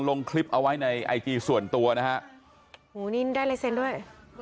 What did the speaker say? ลงคลิปเอาไว้ในไอจีส่วนตัวนะฮะโหนี่ได้ลายเซ็นต์ด้วย